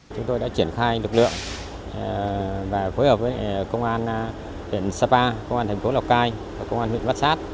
chúng tôi đã triển khai lực lượng và phối hợp với công an huyện sapa công an thành phố lào cai và công an huyện bát sát